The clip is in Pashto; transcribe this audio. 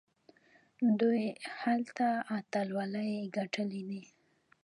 دوی هلته اتلولۍ ګټلي دي.